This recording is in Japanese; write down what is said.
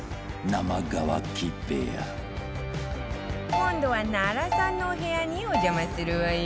今度は奈良さんのお部屋にお邪魔するわよ